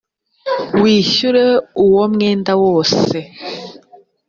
wishyure uwo mwenda wose .